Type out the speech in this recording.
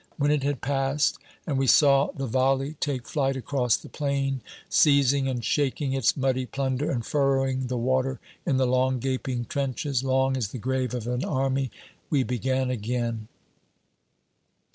When it had passed, and we saw the volley take flight across the plain, seizing and shaking its muddy plunder and furrowing the water in the long gaping trenches long as the grave of an army we began again.